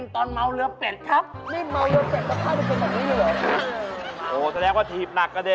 โธ่แสดงว่าทีบหนักละดิ